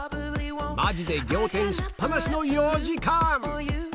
まじで仰天しっ放しの４時間。